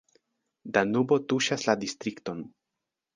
Danubo tuŝas la distrikton.